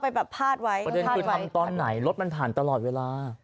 งอกกับพาตวุ้งทนตอนไหนรถมันตามตลอดเวลา